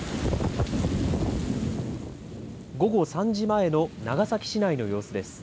午後３時前の長崎市内の様子です。